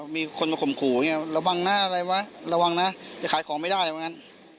ไม่รู้เขาก็พูดเข้าไปร้อยแปดไง